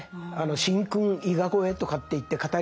「神君伊賀越え」とかって言って語り継がれる